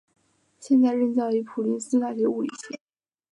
现在任教于普林斯顿大学物理系。